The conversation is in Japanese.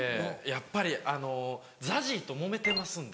やっぱりあのＺＡＺＹともめてますんで。